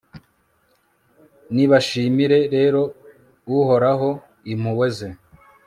nibashimire rero uhoraho impuhwe ze